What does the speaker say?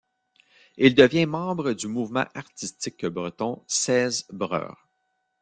Il devient membre du mouvement artistique breton Seiz Breur.